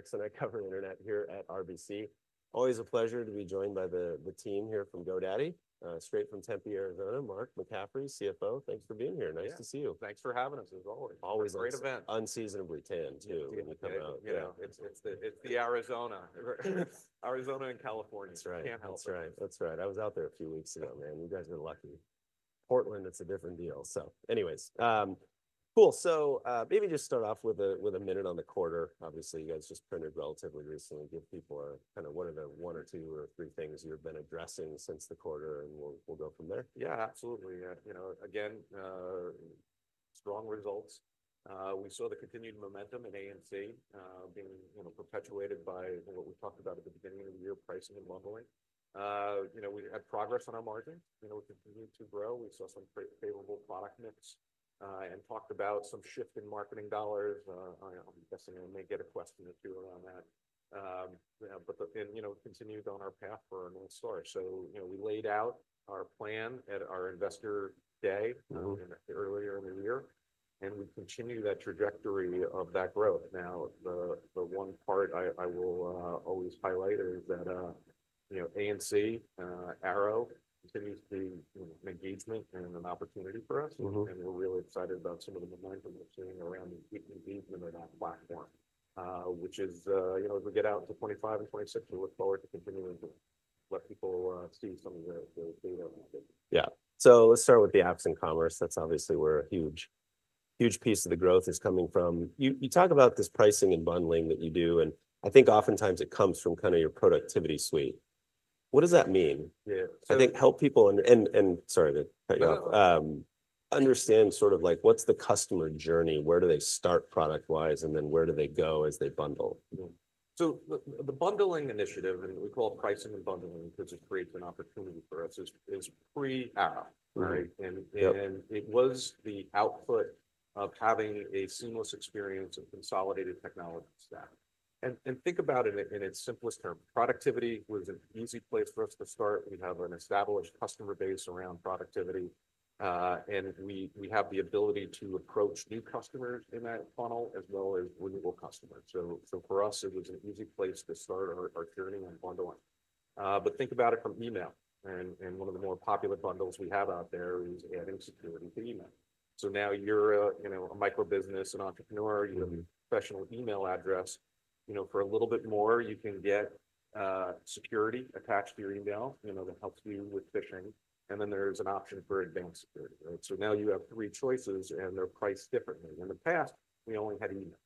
Erickson at Covered Internet here at RBC. Always a pleasure to be joined by the team here from GoDaddy, straight from Tempe, Arizona. Mark McCaffrey, CFO, thanks for being here. Nice to see you. Thanks for having us, as always. Always a great event. Unseasonably tan too, when you come out. It's the Arizona. Right. Arizona and California. That's right. Can't help it. That's right. That's right. I was out there a few weeks ago, man. You guys are lucky. Portland, it's a different deal. So anyways, cool. So maybe just start off with a minute on the quarter. Obviously, you guys just printed relatively recently. Give people kind of one of the one or two or three things you've been addressing since the quarter, and we'll go from there. Yeah, absolutely. Again, strong results. We saw the continued momentum in A&C being perpetuated by what we talked about at the beginning of the year, pricing and bundling. We had progress on our margins. We continued to grow. We saw some favorable product mix and talked about some shift in marketing dollars. I'm guessing I may get a question or two around that. But then continued on our path for our next story. We laid out our plan at our investor day earlier in the year, and we continue that trajectory of that growth. Now, the one part I will always highlight is that A&C Airo continues to be an engagement and an opportunity for us. We're really excited about some of the momentum we're seeing around the engagement of that platform, which is, as we get out to 2025 and 2026, we look forward to continuing to let people see some of the data around it. Yeah. So let's start with the Apps and Commerce. That's obviously where a huge piece of the growth is coming from. You talk about this pricing and bundling that you do, and I think oftentimes it comes from kind of your productivity suite. What does that mean? I think help people, and sorry to cut you off, understand sort of what's the customer journey, where do they start product-wise, and then where do they go as they bundle? The bundling initiative, and we call it pricing and bundling because it creates an opportunity for us, is pre-Airo. And it was the output of having a seamless experience of consolidated technology stack. And think about it in its simplest term. Productivity was an easy place for us to start. We have an established customer base around productivity, and we have the ability to approach new customers in that funnel as well as renewal customers. So for us, it was an easy place to start our journey on bundling. But think about it from email. And one of the more popular bundles we have out there is adding security to email. So now you're a micro business, an entrepreneur, you have a professional email address. For a little bit more, you can get security attached to your email that helps you with phishing. And then there is an option for advanced security. So now you have three choices, and they're priced differently. In the past, we only had email.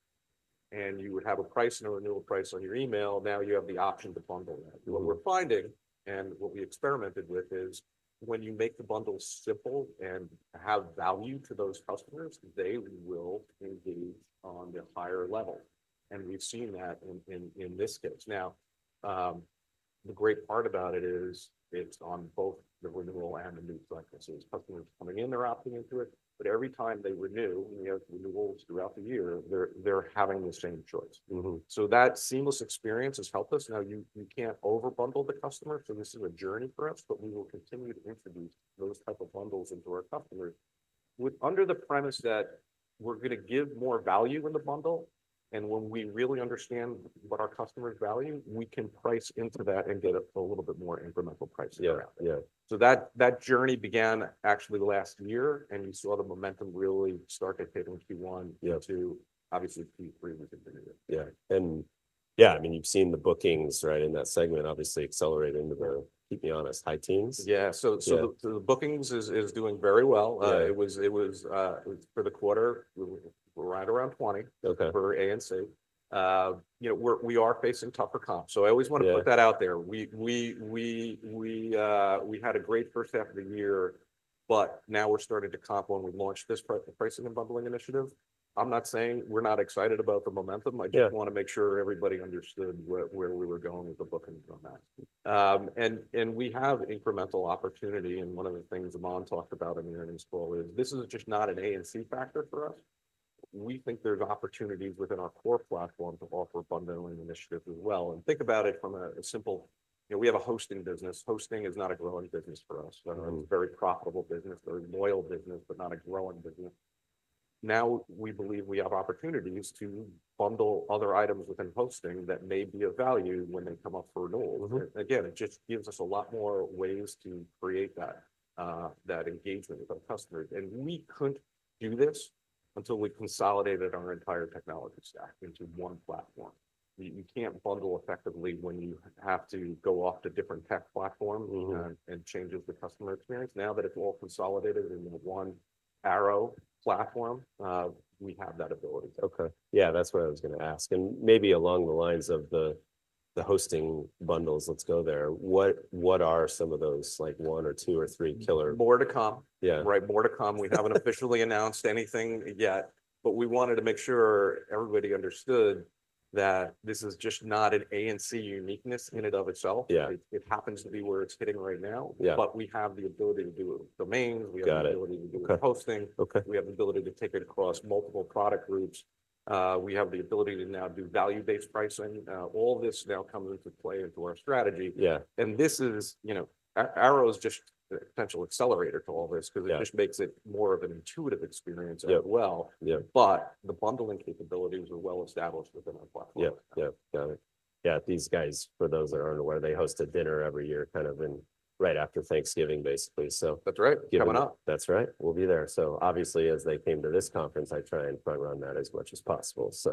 And you would have a price and a renewal price on your email. Now you have the option to bundle that. What we're finding and what we experimented with is when you make the bundle simple and have value to those customers, they will engage on the higher level. And we've seen that in this case. Now, the great part about it is it's on both the renewal and the new customers. Customers coming in, they're opting into it. But every time they renew, we have renewals throughout the year, they're having the same choice. So that seamless experience has helped us. Now, you can't overbundle the customer. So this is a journey for us, but we will continue to introduce those type of bundles into our customers under the premise that we're going to give more value in the bundle. And when we really understand what our customers value, we can price into that and get a little bit more incremental pricing around it. So that journey began actually last year, and you saw the momentum really start to take into Q1, Q2, obviously Q3, we continued. Yeah. And yeah, I mean, you've seen the bookings, right, in that segment, obviously accelerating to the, keep me honest, high teens. Yeah. So the bookings is doing very well. It was for the quarter; we were right around 20 for ANC. We are facing tougher comps. So I always want to put that out there. We had a great first half of the year, but now we're starting to comp when we launched this pricing and bundling initiative. I'm not saying we're not excited about the momentum. I just want to make sure everybody understood where we were going with the bookings on that, and we have incremental opportunity, and one of the things Aman talked about in the earnings call is this is just not an ANC factor for us. We think there's opportunities within our core platform to offer bundling initiatives as well, and think about it from a simple perspective: we have a hosting business. Hosting is not a growing business for us. It's a very profitable business, very loyal business, but not a growing business. Now we believe we have opportunities to bundle other items within hosting that may be of value when they come up for renewals. Again, it just gives us a lot more ways to create that engagement with our customers. And we couldn't do this until we consolidated our entire technology stack into one platform. You can't bundle effectively when you have to go off to different tech platforms and changes the customer experience. Now that it's all consolidated in the one Airo platform, we have that ability. Okay. Yeah, that's what I was going to ask. And maybe along the lines of the hosting bundles, let's go there. What are some of those one or two or three killer? More to come. Right, more to come. We haven't officially announced anything yet, but we wanted to make sure everybody understood that this is just not an ANC uniqueness in and of itself. It happens to be where it's hitting right now, but we have the ability to do it with domains. We have the ability to do it with hosting. We have the ability to take it across multiple product groups. We have the ability to now do value-based pricing. All this now comes into play into our strategy, and this is Airo's just a potential accelerator to all this because it just makes it more of an intuitive experience as well, but the bundling capabilities are well established within our platform. Yeah, got it. Yeah, these guys, for those that aren't aware, they host a dinner every year kind of right after Thanksgiving, basically. That's right. Coming up. That's right. We'll be there. So obviously, as they came to this conference, I try and front-run that as much as possible. So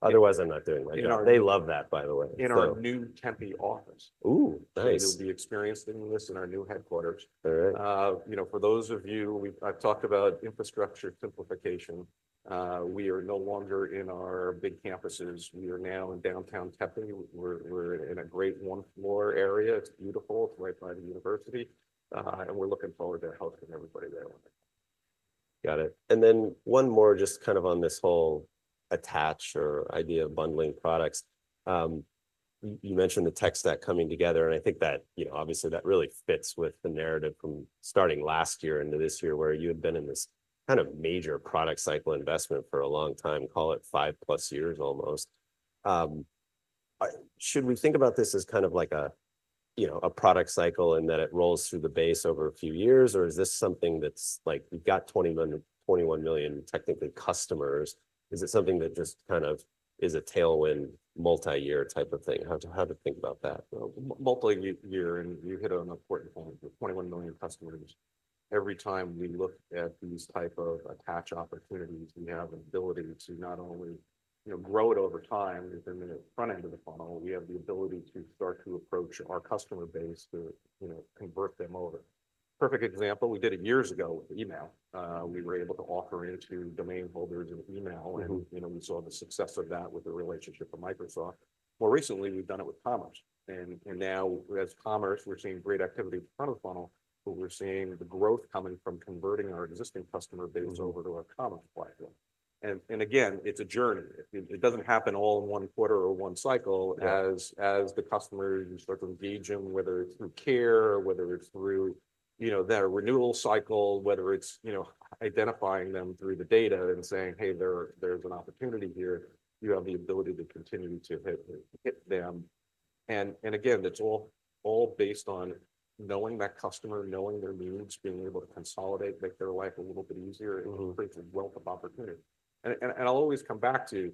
otherwise, I'm not doing my job. They love that, by the way. In our new Tempe office. Ooh, nice. We'll experience this in our new headquarters. For those of you, I've talked about Infrastructure Simplification. We are no longer in our big campuses. We are now in downtown Tempe. We're in a great one-floor area. It's beautiful. It's right by the university, and we're looking forward to hosting everybody there. Got it. And then one more, just kind of on this whole attach rate idea of bundling products. You mentioned the tech stack coming together, and I think that obviously that really fits with the narrative from starting last year into this year where you had been in this kind of major product cycle investment for a long time, call it 5+ years almost. Should we think about this as kind of like a product cycle and that it rolls through the base over a few years, or is this something that's like we've got 21 million customers? Is it something that just kind of is a tailwind multi-year type of thing? How to think about that? Multi-year, and you hit on an important point. 21 million customers. Every time we look at these type of attach opportunities, we have an ability to not only grow it over time within the front end of the funnel, we have the ability to start to approach our customer base to convert them over. Perfect example, we did it years ago with email. We were able to offer into domain holders in email, and we saw the success of that with the relationship with Microsoft. More recently, we've done it with commerce, and now, as commerce, we're seeing great activity in front of the funnel, but we're seeing the growth coming from converting our existing customer base over to our commerce platform, and again, it's a journey. It doesn't happen all in one quarter or one cycle as the customers start to engage them, whether it's through care, whether it's through their renewal cycle, whether it's identifying them through the data and saying, "Hey, there's an opportunity here." You have the ability to continue to hit them. And again, it's all based on knowing that customer, knowing their needs, being able to consolidate, make their life a little bit easier, and create a wealth of opportunity. And I'll always come back to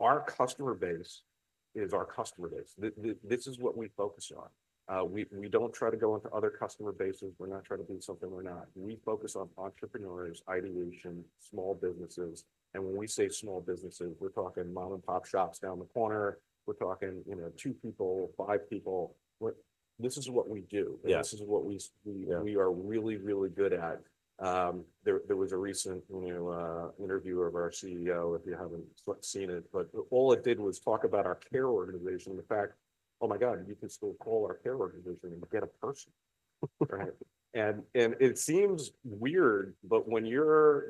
our customer base is our customer base. This is what we focus on. We don't try to go into other customer bases. We're not trying to be something we're not. We focus on entrepreneurs, ideation, small businesses. And when we say small businesses, we're talking mom-and-pop shops down the corner. We're talking two people, five people. This is what we do. This is what we are really, really good at. There was a recent interview of our CEO, if you haven't seen it, but all it did was talk about our care organization. In fact, oh my God, you can still call our care organization and get a person. And it seems weird, but when you're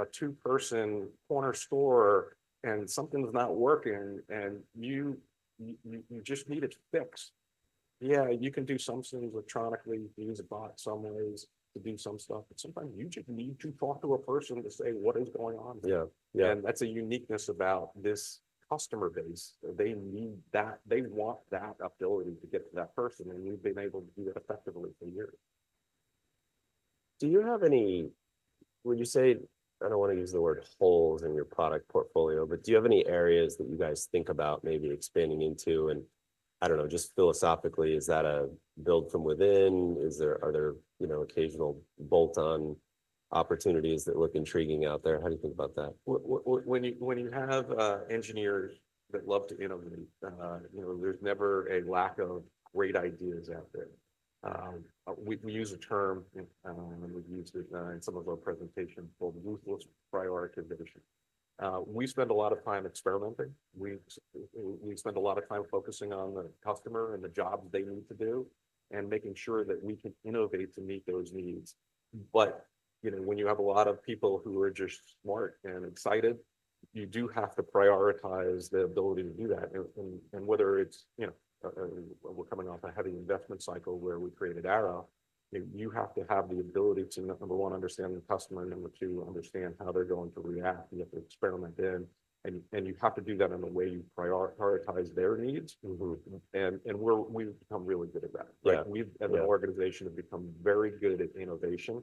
a two-person corner store and something's not working and you just need it fixed, yeah, you can do something electronically. You use a box somewhere to do some stuff. Sometimes you just need to talk to a person to say, "What is going on?" And that's a uniqueness about this customer base. They need that. They want that ability to get to that person, and we've been able to do that effectively for years. Do you have any, would you say, I don't want to use the word holes in your product portfolio, but do you have any areas that you guys think about maybe expanding into? And I don't know, just philosophically, is that a build from within? Are there occasional bolt-on opportunities that look intriguing out there? How do you think about that? When you have engineers that love to innovate, there's never a lack of great ideas out there. We use a term, and we've used it in some of our presentations, called ruthless prioritization. We spend a lot of time experimenting. We spend a lot of time focusing on the customer and the jobs they need to do and making sure that we can innovate to meet those needs. But when you have a lot of people who are just smart and excited, you do have to prioritize the ability to do that. And whether it's, we're coming off a heavy investment cycle where we created Airo, you have to have the ability to, number one, understand the customer, and number two, understand how they're going to react and get to experiment in. And you have to do that in a way you prioritize their needs. And we've become really good at that. We've, as an organization, become very good at innovation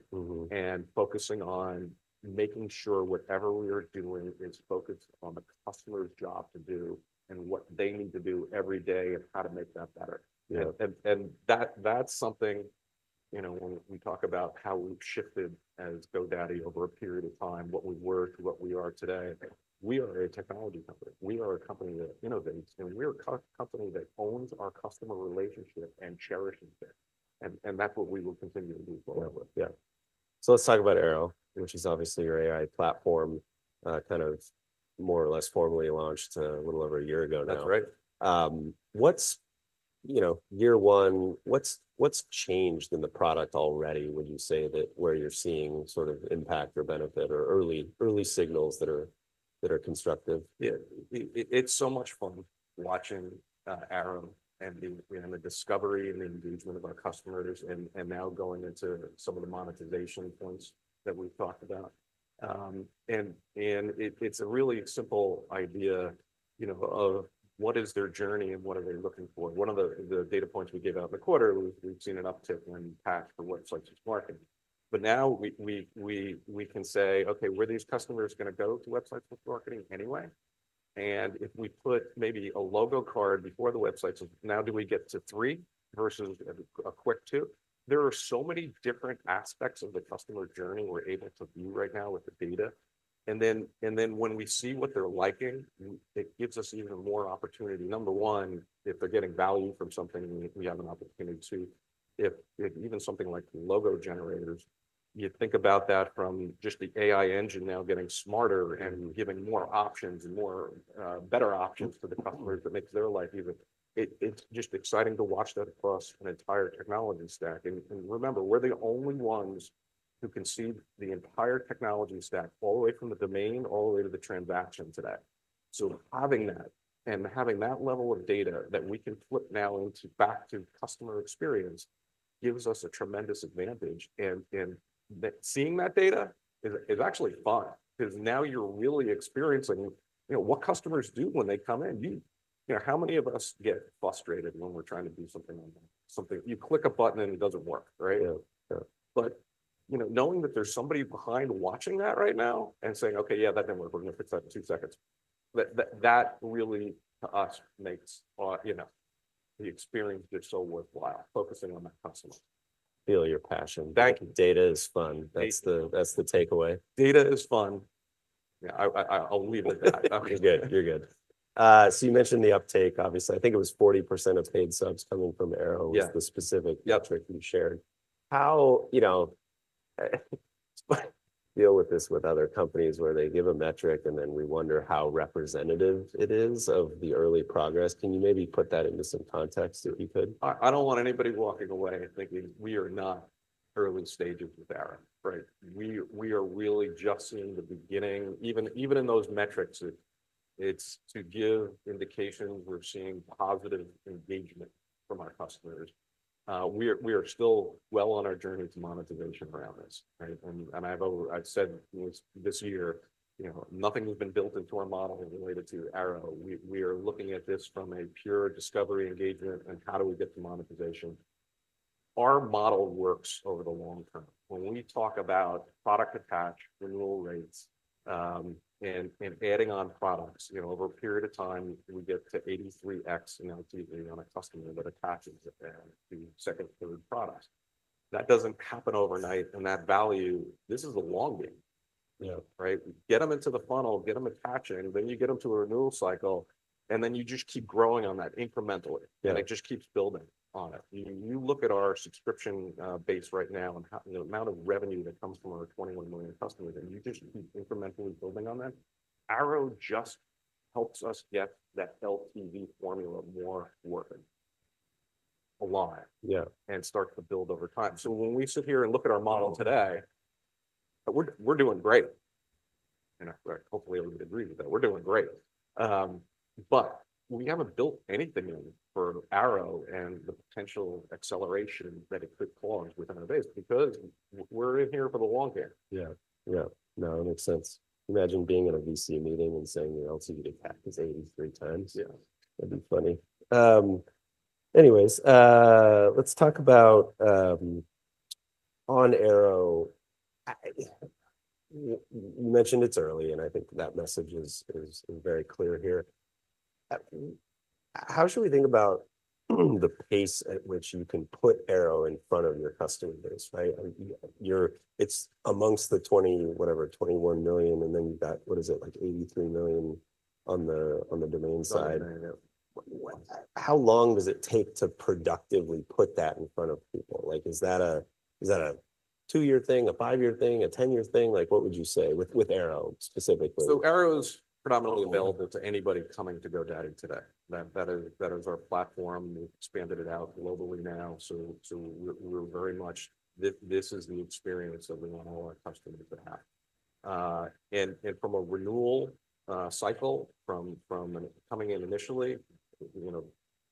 and focusing on making sure whatever we are doing is focused on the customer's job to do and what they need to do every day and how to make that better. And that's something when we talk about how we've shifted as GoDaddy over a period of time, what we were, what we are today. We are a technology company. We are a company that innovates, and we are a company that owns our customer relationship and cherishes it. And that's what we will continue to do forever. Yeah. So let's talk about Airo, which is obviously your AI platform, kind of more or less formally launched a little over a year ago now. That's right. What's year one, what's changed in the product already, would you say, where you're seeing sort of impact or benefit or early signals that are constructive? Yeah. It's so much fun watching Airo and the discovery and the engagement of our customers and now going into some of the monetization points that we've talked about. And it's a really simple idea of what is their journey and what are they looking for. One of the data points we gave out in the quarter, we've seen an uptick in paths for Websites + Marketing. But now we can say, "Okay, where are these customers going to go to Websites + Marketing anyway?" And if we put maybe a logo card before the websites, now do we get to three versus a quick two? There are so many different aspects of the customer journey we're able to view right now with the data. And then when we see what they're liking, it gives us even more opportunity. Number one, if they're getting value from something, we have an opportunity too. If even something like logo generators, you think about that from just the AI engine now getting smarter and giving more options and better options to the customers that makes their life easier. It's just exciting to watch that across an entire technology stack. And remember, we're the only ones who can see the entire technology stack all the way from the domain all the way to the transaction today. So having that and having that level of data that we can flip now back to customer experience gives us a tremendous advantage. And seeing that data is actually fun because now you're really experiencing what customers do when they come in. How many of us get frustrated when we're trying to do something online? You click a button and it doesn't work, right? But knowing that there's somebody behind watching that right now and saying, "Okay, yeah, that didn't work. We're going to fix that in two seconds." That really, to us, makes the experience just so worthwhile, focusing on that customer. Feel your passion. Data is fun. That's the takeaway. Data is fun. Yeah, I'll leave it at that. You're good. You're good. So you mentioned the uptake. Obviously, I think it was 40% of paid subs coming from Airo was the specific metric you shared. How deal with this with other companies where they give a metric and then we wonder how representative it is of the early progress? Can you maybe put that into some context if you could? I don't want anybody walking away thinking we are not early stages with Airo, right? We are really just in the beginning. Even in those metrics, it's to give indications we're seeing positive engagement from our customers. We are still well on our journey to monetization around this. And I've said this year, nothing has been built into our model related to Airo. We are looking at this from a pure discovery engagement and how do we get to monetization. Our model works over the long term. When we talk about product attach, renewal rates, and adding on products, over a period of time, we get to 83x in LTV on a customer that attaches to second, third products. That doesn't happen overnight, and that value, this is a long game, right? Get them into the funnel, get them attaching, then you get them to a renewal cycle, and then you just keep growing on that incrementally. It just keeps building on it. You look at our subscription base right now and the amount of revenue that comes from our 21 million customers, and you just keep incrementally building on that. Airo just helps us get that LTV formula more worthy, alive, and start to build over time. So when we sit here and look at our model today, we're doing great. Hopefully, everybody agrees with that. We're doing great. But we haven't built anything in for Airo and the potential acceleration that it could cause within our base because we're in here for the long game. Yeah. Yeah. No, it makes sense. Imagine being in a VC meeting and saying the LTV attack is 83 times. That'd be funny. Anyways, let's talk about on Airo. You mentioned it's early, and I think that message is very clear here. How should we think about the pace at which you can put Airo in front of your customer base? It's among the 20, whatever, 21 million, and then you've got, what is it, like 83 million on the domain side. How long does it take to productively put that in front of people? Is that a two-year thing, a five-year thing, a ten-year thing? What would you say with Airo specifically? Airo is predominantly available to anybody coming to GoDaddy today. That is our platform. We've expanded it out globally now. We're very much, this is the experience that we want all our customers to have. And from a renewal cycle, from coming in initially,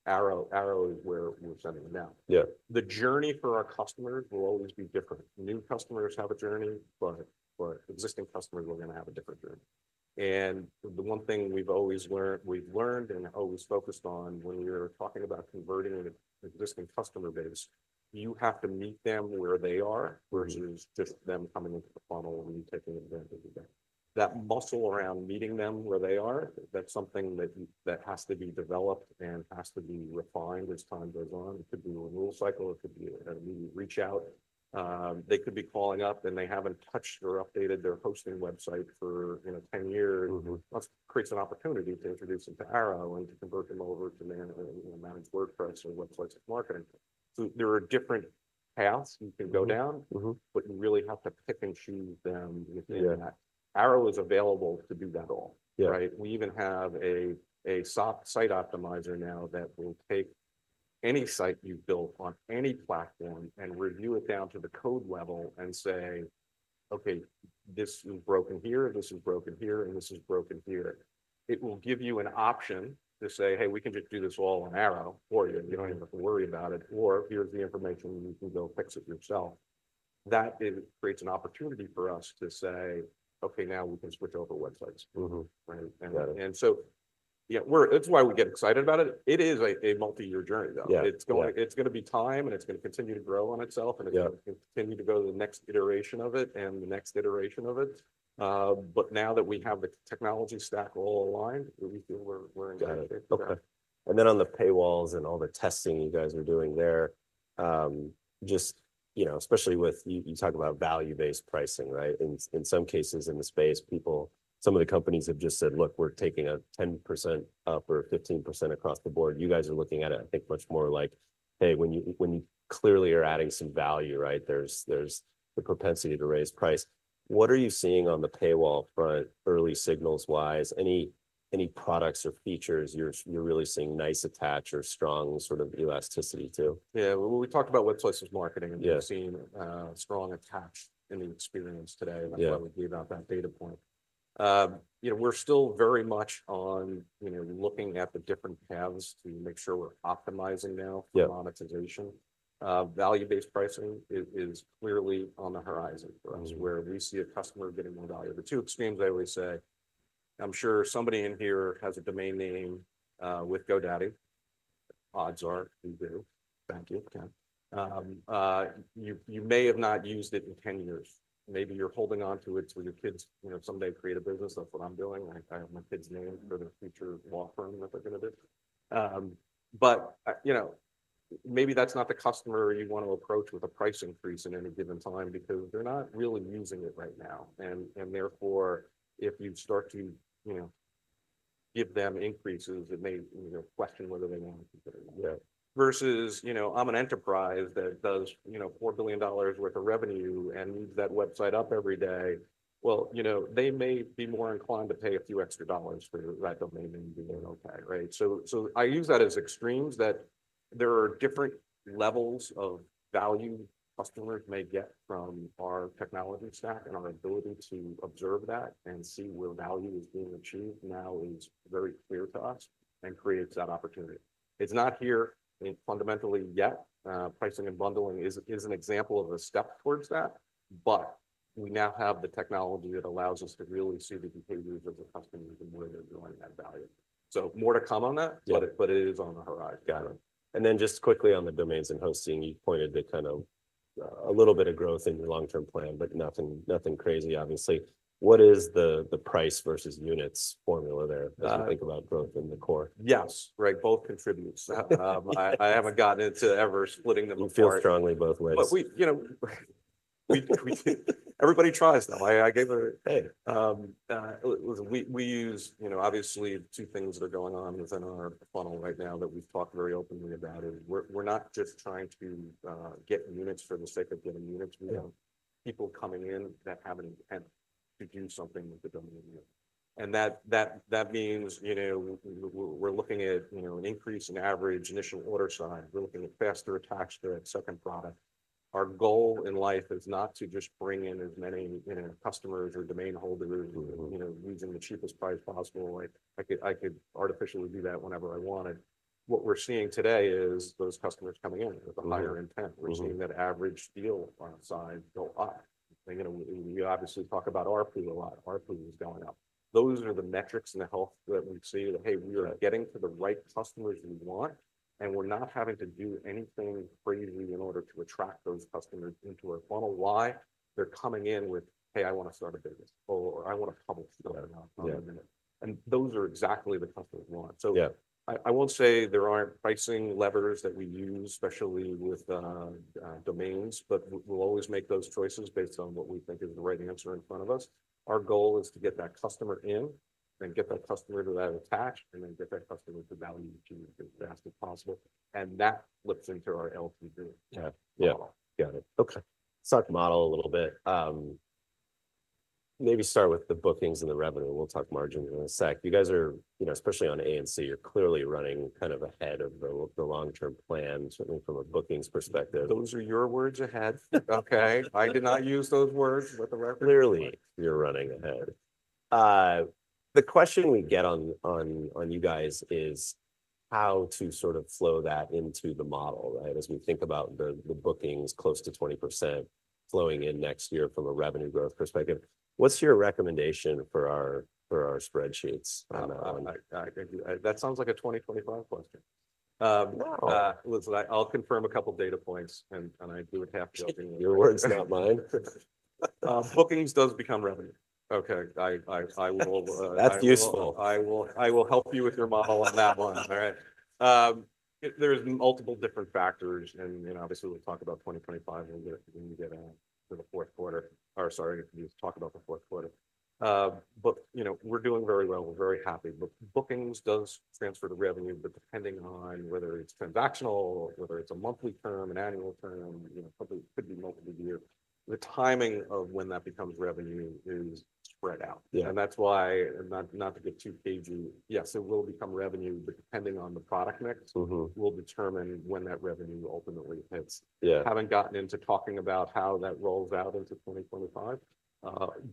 Airo is where we're sending them now. The journey for our customers will always be different. New customers have a journey, but existing customers are going to have a different journey. And the one thing we've always learned and always focused on when we were talking about converting an existing customer base, you have to meet them where they are versus just them coming into the funnel and you taking advantage of that. That muscle around meeting them where they are, that's something that has to be developed and has to be refined as time goes on. It could be a renewal cycle. It could be a reach out. They could be calling up and they haven't touched or updated their hosting website for 10 years. That creates an opportunity to introduce them to Airo and to convert them over to Managed WordPress or Websites + Marketing. So there are different paths you can go down, but you really have to pick and choose them within that. Airo is available to do that all, right? We even have a Site Optimizer now that will take any site you've built on any platform and review it down to the code level and say, "Okay, this is broken here, this is broken here, and this is broken here." It will give you an option to say, "Hey, we can just do this all on Airo for you. You don't even have to worry about it," or, "Here's the information. You can go fix it yourself." That creates an opportunity for us to say, "Okay, now we can switch over websites." And so that's why we get excited about it. It is a multi-year journey, though. It's going to be time, and it's going to continue to grow on itself, and it's going to continue to go to the next iteration of it and the next iteration of it. But now that we have the technology stack all aligned, we feel we're in good shape. Okay. And then on the paywalls and all the testing you guys are doing there, just especially with you talk about value-based pricing, right? In some cases in the space, some of the companies have just said, "Look, we're taking a 10% up or 15% across the board." You guys are looking at it, I think, much more like, "Hey, when you clearly are adding some value, right, there's the propensity to raise price." What are you seeing on the paywall front, early signals-wise? Any products or features you're really seeing nice attach or strong sort of elasticity to? Yeah. Well, we talked about Websites + Marketing, and we've seen strong attach in the experience today. That's why we gave out that data point. We're still very much on looking at the different paths to make sure we're optimizing now for monetization. Value-based pricing is clearly on the horizon for us where we see a customer getting more value. The two extremes I always say, "I'm sure somebody in here has a domain name with GoDaddy." Odds are you do. Thank you. You may have not used it in 10 years. Maybe you're holding on to it till your kids someday create a business. That's what I'm doing. I have my kids' names for their future law firm that they're going to do. But maybe that's not the customer you want to approach with a price increase at any given time because they're not really using it right now. And therefore, if you start to give them increases, it may question whether they want to consider it. Versus I'm an enterprise that does $4 billion worth of revenue and needs that website up every day. Well, they may be more inclined to pay a few extra dollars for that domain name being okay, right? So I use that as extremes that there are different levels of value customers may get from our technology stack and our ability to observe that and see where value is being achieved now is very clear to us and creates that opportunity. It's not here fundamentally yet. Pricing and bundling is an example of a step towards that, but we now have the technology that allows us to really see the behaviors of the customers and where they're going to add value. So more to come on that, but it is on the horizon. Got it. And then just quickly on the domains and hosting, you pointed to kind of a little bit of growth in your long-term plan, but nothing crazy, obviously. What is the price versus units formula there as you think about growth in the core? Yes, right. Both contribute. I haven't gotten into ever splitting them apart. You feel strongly both ways. But everybody tries though. I gave her. Hey. Listen, we use obviously two things that are going on within our funnel right now that we've talked very openly about. We're not just trying to get units for the sake of getting units. We have people coming in that have an intent to do something with the domain name. And that means we're looking at an increase in average initial order size. We're looking at faster attached to that second product. Our goal in life is not to just bring in as many customers or domain holders using the cheapest price possible. I could artificially do that whenever I wanted. What we're seeing today is those customers coming in with a higher intent. We're seeing that average deal on our side go up. We obviously talk about our pool a lot. Our pool is going up. Those are the metrics and the health that we see that, hey, we are getting to the right customers we want, and we're not having to do anything crazy in order to attract those customers into our funnel. Why? They're coming in with, "Hey, I want to start a business," or, "I want to publish what I'm going to." And those are exactly the customers we want. So I won't say there aren't pricing levers that we use, especially with domains, but we'll always make those choices based on what we think is the right answer in front of us. Our goal is to get that customer in and get that customer to that attach and then get that customer to value as fast as possible. And that flips into our LTV model. Yeah. Got it. Okay. Let's talk model a little bit. Maybe start with the bookings and the revenue. We'll talk margins in a sec. You guys are, especially on ANC, you're clearly running kind of ahead of the long-term plan, certainly from a bookings perspective. Those are your words ahead. Okay. I did not use those words with the revenue. Clearly, you're running ahead. The question we get on you guys is how to sort of flow that into the model, right? As we think about the bookings, close to 20% flowing in next year from a revenue growth perspective. What's your recommendation for our spreadsheets? That sounds like a 2025 question. Listen, I'll confirm a couple of data points, and I do it half joking. Your words, not mine. Bookings does become revenue. Okay. I will. That's useful. I will help you with your model on that one. All right. There's multiple different factors, and obviously, we'll talk about 2025 when we get to the fourth quarter, or sorry, we'll talk about the fourth quarter, but we're doing very well. We're very happy. Bookings does transfer to revenue, but depending on whether it's transactional, whether it's a monthly term, an annual term, could be multiple years. The timing of when that becomes revenue is spread out, and that's why, not to get too cagey, yes, it will become revenue, but depending on the product mix, will determine when that revenue ultimately hits. Haven't gotten into talking about how that rolls out into 2025,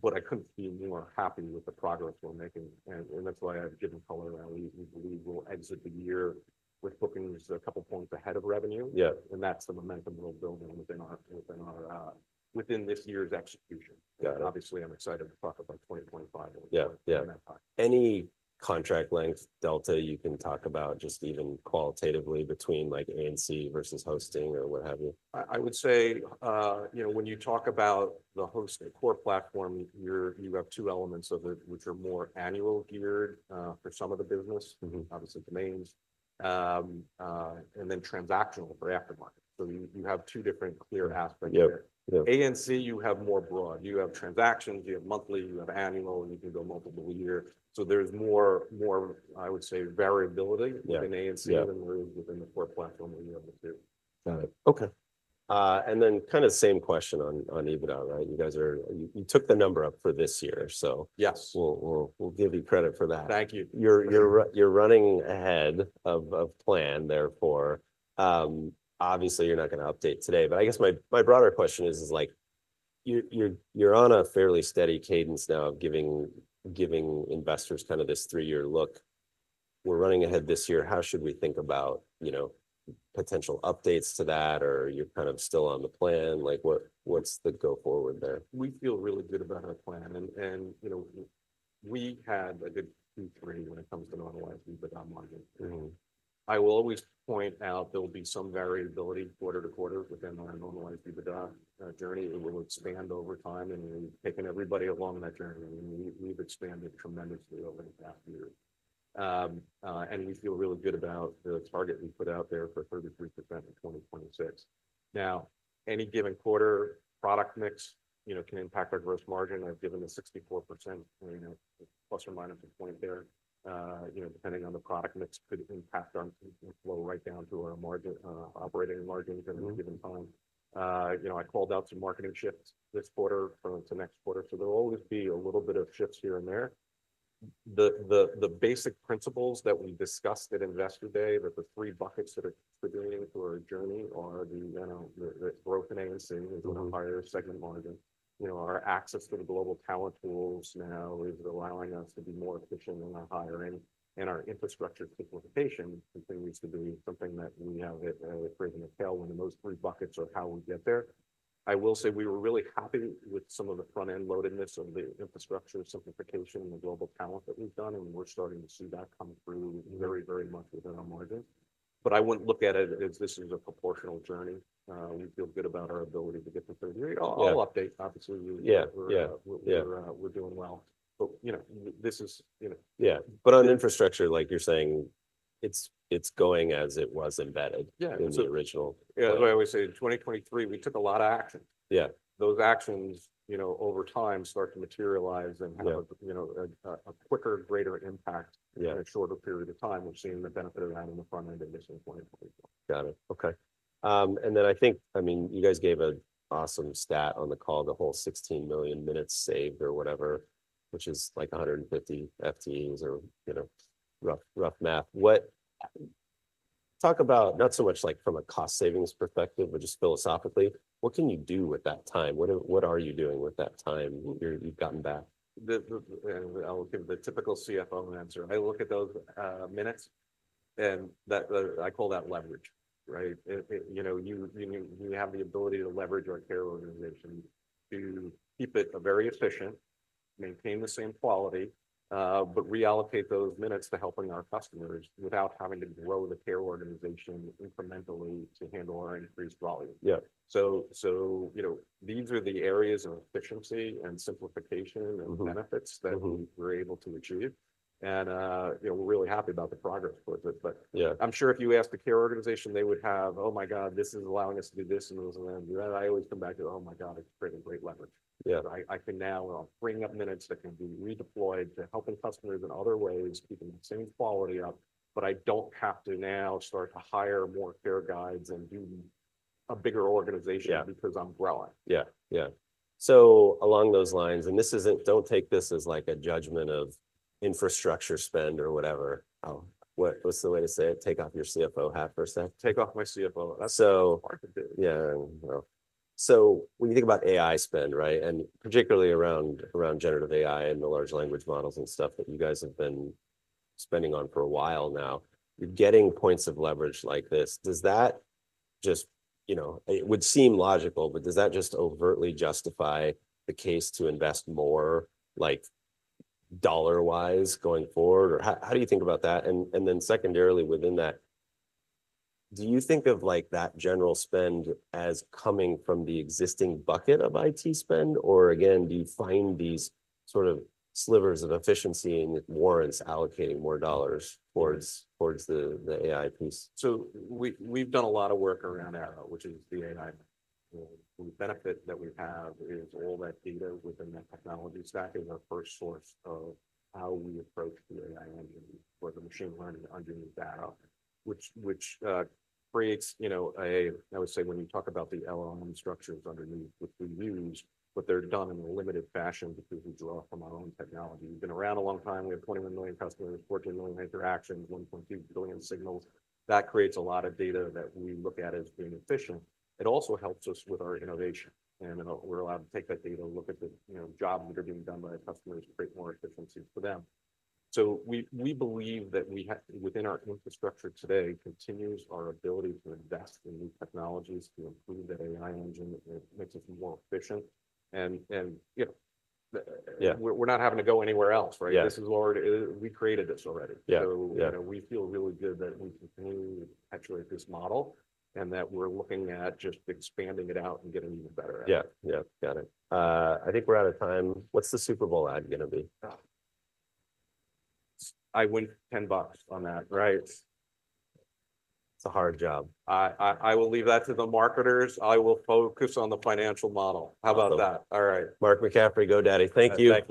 but I couldn't be more happy with the progress we're making, and that's why I've given color around. We will exit the year with bookings a couple of points ahead of revenue, and that's the momentum we'll build within this year's execution. Obviously, I'm excited to talk about 2025 in that time. Any contract length delta you can talk about just even qualitatively between ANC versus hosting or what have you? I would say when you talk about the hosting core platform, you have two elements of it, which are more annual geared for some of the business, obviously domains, and then transactional for aftermarket. So you have two different clear aspects there. ANC, you have more broad. You have transactions, you have monthly, you have annual, you can go multiple years. So there's more, I would say, variability within ANC than there is within the core platform where you have the two. Got it. Okay, and then kind of same question on EBITDA, right? You took the number up for this year, so we'll give you credit for that. Thank you. You're running ahead of plan, therefore. Obviously, you're not going to update today, but I guess my broader question is, you're on a fairly steady cadence now of giving investors kind of this three-year look. We're running ahead this year. How should we think about potential updates to that, or you're kind of still on the plan? What's the go-forward there? We feel really good about our plan, and we had a good Q3 when it comes to normalized EBITDA margins. I will always point out there will be some variability quarter to quarter within our normalized EBITDA journey. It will expand over time, and we've taken everybody along that journey, and we've expanded tremendously over the past year, and we feel really good about the target we put out there for 33% in 2026. Now, any given quarter product mix can impact our gross margin. I've given a 64%± a point there. Depending on the product mix, could impact our flow right down to our operating margins at any given time. I called out some marketing shifts this quarter to next quarter, so there'll always be a little bit of shifts here and there. The basic principles that we discussed at Investor Day, that the three buckets that are contributing to our journey are the growth in ANC, higher segment margin. Our access to the global talent pools now is allowing us to be more efficient in our hiring, and our Infrastructure Simplification continues to be something that we have top of mind when these three buckets are how we get there. I will say we were really happy with some of the front-end loadedness of the Infrastructure Simplification and the global talent that we've done, and we're starting to see that come through very, very much within our margins. But I wouldn't look at it as this is a proportional journey. We feel good about our ability to get to 33. I'll update, obviously. We're doing well. But this is. Yeah. But on infrastructure, like you're saying, it's going as it was embedded in the original. Yeah. As I always say, in 2023, we took a lot of action. Those actions over time start to materialize and have a quicker, greater impact in a shorter period of time. We've seen the benefit of that in the front-end of this in 2024. Got it. Okay, and then I think, I mean, you guys gave an awesome stat on the call, the whole 16 million minutes saved or whatever, which is like 150 FTEs or rough math. Talk about not so much from a cost savings perspective, but just philosophically, what can you do with that time? What are you doing with that time you've gotten back? I'll give the typical CFO answer. I look at those minutes, and I call that leverage, right? We have the ability to leverage our care organization to keep it very efficient, maintain the same quality, but reallocate those minutes to helping our customers without having to grow the care organization incrementally to handle our increased volume. So these are the areas of efficiency and simplification and benefits that we were able to achieve. And we're really happy about the progress towards it. But I'm sure if you asked the care organization, they would have, "Oh my God, this is allowing us to do this and this and that." I always come back to, "Oh my God, it's creating great leverage." I can now free up minutes that can be redeployed to helping customers in other ways, keeping the same quality up, but I don't have to now start to hire more care guides and do a bigger organization because I'm growing. Yeah. Yeah. So along those lines, and this isn't. Don't take this as like a judgment of infrastructure spend or whatever. What's the way to say it? Take off your CFO hat for a sec. Take off my CFO. Yeah. So when you think about AI spend, right, and particularly around generative AI and the large language models and stuff that you guys have been spending on for a while now, you're getting points of leverage like this. Does that just, it would seem logical, but does that just overtly justify the case to invest more dollar-wise going forward? Or how do you think about that? And then secondarily, within that, do you think of that general spend as coming from the existing bucket of IT spend? Or again, do you find these sort of slivers of efficiency and it warrants allocating more dollars towards the AI piece? So we've done a lot of work around Airo, which is the AI benefit that we have is all that data within that technology stack is our first source of how we approach the AI engine for the machine learning underneath that, which creates a, I would say, when you talk about the LLM structures underneath, which we use, but they're done in a limited fashion because we draw from our own technology. We've been around a long time. We have 21 million customers, 14 million interactions, 1.2 billion signals. That creates a lot of data that we look at as being efficient. It also helps us with our innovation. And we're allowed to take that data, look at the jobs that are being done by customers, create more efficiencies for them. So we believe that within our infrastructure today continues our ability to invest in new technologies to improve that AI engine that makes us more efficient. And we're not having to go anywhere else, right? This is already we created this already. So we feel really good that we continue to perpetuate this model and that we're looking at just expanding it out and getting even better at it. Yeah. Yeah. Got it. I think we're out of time. What's the Super Bowl ad going to be? I win $10 on that, right? It's a hard job. I will leave that to the marketers. I will focus on the financial model. How about that? All right. Mark McCaffrey, GoDaddy. Thank you.